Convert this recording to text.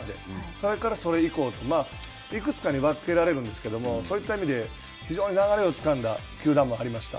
それからそれ以降といくつかに分けられるんですけど、そういった意味で、非常に流れをつかんだ球団もありました。